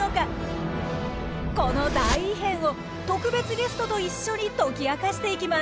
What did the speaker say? この大異変を特別ゲストと一緒に解き明かしていきます。